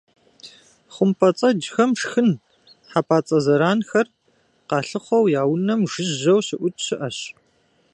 ХъумпӀэцӀэджхэм шхын - хьэпӀацӀэ зэранхэр - къалъыхъуэу я «унэм» жыжьэу щыӀукӀ щыӀэщ.